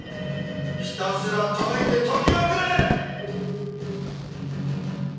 ひたすら解いて解きまくれ！